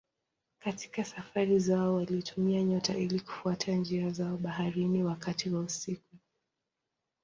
Katika safari zao walitumia nyota ili kufuata njia zao baharini wakati wa usiku.